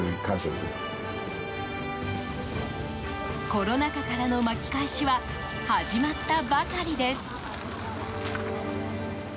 コロナ禍からの巻き返しは始まったばかりです。